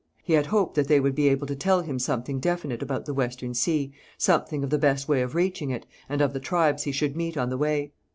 He had hoped that they would be able to tell him something definite about the Western Sea, something of the best way of reaching it, and of the tribes he should meet on the way.